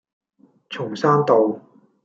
松山道